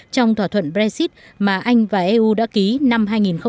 trong thỏa thuận brexit mà anh và eu đã ký năm hai nghìn một mươi năm